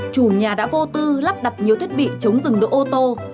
chủ nhà đã vô tư lắp đặt nhiều thiết bị chống dừng đỗ ô tô